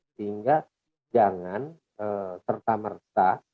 sehingga jangan serta merta